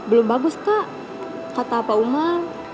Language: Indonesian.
eh bangkuan men